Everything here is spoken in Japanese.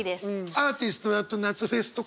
アーティストだと夏フェスとかね。